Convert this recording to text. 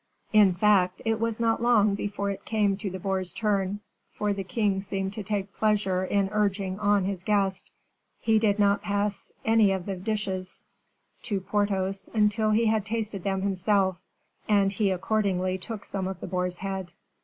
In fact it was not long before it came to the boar's turn, for the king seemed to take pleasure in urging on his guest; he did not pass any of the dishes to Porthos until he had tasted them himself, and he accordingly took some of the boar's head.